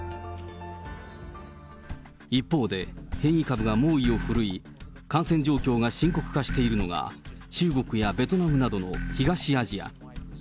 一方で、変異株が猛威を振るい、感染状況が深刻化しているのが、中国やベトナムなどの東アジア。